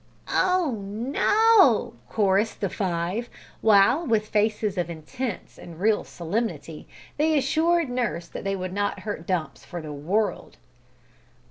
"Oh no," chorused the five, while, with faces of intense and real solemnity, they assured nurse that they would not hurt Dumps for the world.